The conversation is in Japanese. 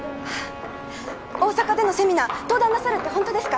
大阪でのセミナー登壇なさるってホントですか？